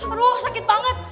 aduh sakit banget